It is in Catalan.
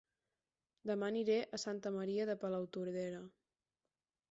Dema aniré a Santa Maria de Palautordera